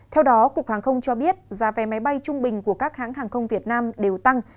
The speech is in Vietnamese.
theo đó cục hàng không cho biết giá vé máy bay trung bình của các hãng hàng không việt nam đều tăng